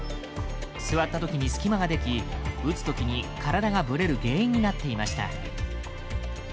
座った時に隙間ができ打つ時に体がぶれる原因になっていました。